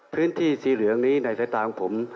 พื้นที่สีเหลืองนี้ในสายตาของผม